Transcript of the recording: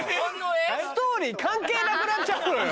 ストーリー関係なくなっちゃうのよ。